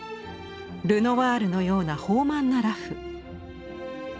ルノワールのような豊満な裸婦。